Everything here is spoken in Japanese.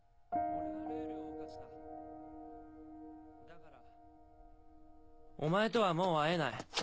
だからお前とはもう会えない。